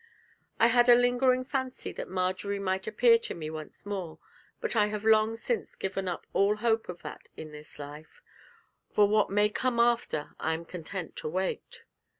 I had a lingering fancy that Marjory might appear to me once more, but I have long since given up all hope of that in this life, and for what may come after I am content to wait.